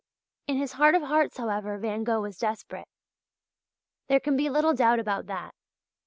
In his heart of hearts, however, Van Gogh was desperate. There can be little doubt about that.